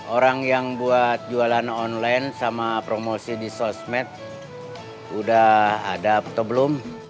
orang yang buat jualan online sama promosi di sosmed udah ada atau belum